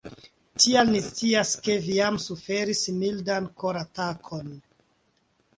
Tial ni scias ke vi jam suferis mildan koratakon.